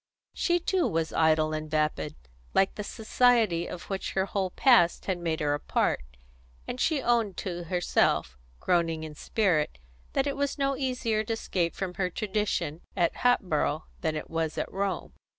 She too was idle and vapid, like the society of which her whole past had made her a part, and she owned to herself, groaning in spirit, that it was no easier to escape from her tradition at Hatboro' than it was at Rome.